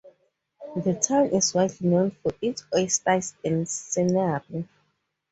The town is widely known for its oysters and scenery.